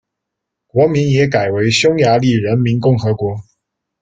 国名也改为匈牙利人民共和国。